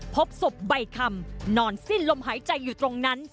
พบศพใบคำนอนสิ้นลมหายใจอยู่ตรงนั้น